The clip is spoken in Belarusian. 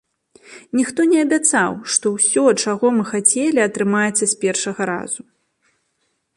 Ніхто не абяцаў, што ўсё, чаго мы хацелі, атрымаецца з першага разу.